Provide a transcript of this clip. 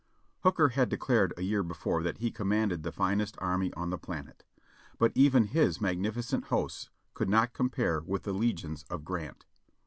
Hooker had de clared a year before that he commanded the finest army on the planet; but even his magnificent hosts could not compare with the legions of Grant.